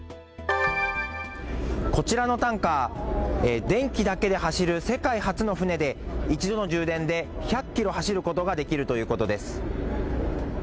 こちらのタンカー、電気だけで走る世界初の船で一度の充電で１００キロ走ることができるということです。